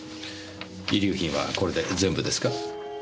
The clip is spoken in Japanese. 遺留品はこれで全部ですか？